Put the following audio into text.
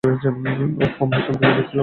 উফ, আমায় চমকে দিয়েছিলে।